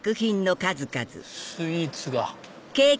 スイーツが。